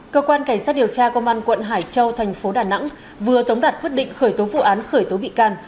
cơ quan cảnh sát điều tra công an quận hải châu thành phố đà nẵng vừa tống đặt quyết định khởi tố vụ án khởi tố bị can